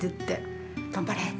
頑張れ。